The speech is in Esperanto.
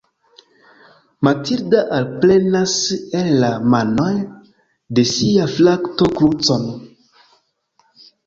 Matilda alprenas el la manoj de sia frato krucon.